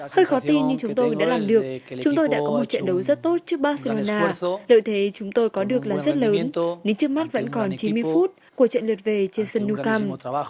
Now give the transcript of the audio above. hơi khó tin như chúng tôi đã làm được chúng tôi đã có một trận đấu rất tốt trước barcelona lợi thế chúng tôi có được là rất lớn nên trước mắt vẫn còn chín mươi phút của trận lượt về trên sân nucam